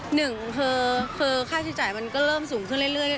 หนึ่งคือค่าใช้จ่ายมันก็เริ่มสูงขึ้นเรื่อย